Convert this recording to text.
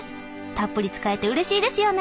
たっぷり使えてうれしいですよね！